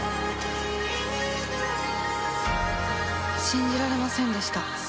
信じられませんでした